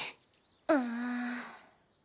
うん。